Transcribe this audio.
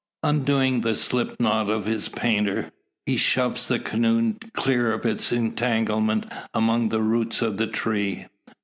Undoing the slip knot of his painter, he shoves the canoe clear of its entanglement among the roots of the tree.